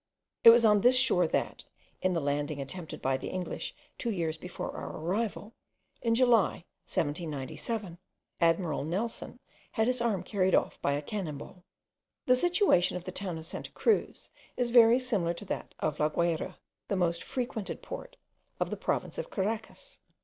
It was on this shore, that, in the landing attempted by the English two years before our arrival, in July 1797, admiral Nelson had his arm carried off by a cannon ball. The situation of the town of Santa Cruz is very similar to that of La Guayra, the most frequented port of the province of Caraccas.